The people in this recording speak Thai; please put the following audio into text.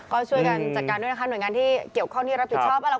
ก็ช่วยกันจัดการด้วยนะคะหน่วยงานที่เกี่ยวข้องที่รับผิดชอบอะไร